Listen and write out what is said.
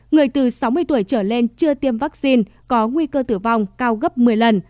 người từ sáu mươi tuổi trở lên chưa tiêm vaccine có nguy cơ tử vong cao gấp một mươi lần